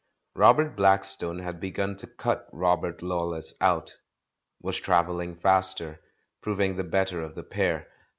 Robert Blackstone had begun to cut "Robert Lawless" out — was travelling faster, proving the better of the pair.